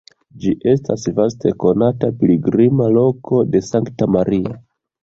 Ĝi estas vaste konata pilgrima loko de Sankta Maria.